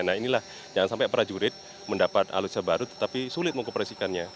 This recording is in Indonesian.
nah inilah jangan sampai para jurid mendapat alusnya baru tetapi sulit mengoperasikannya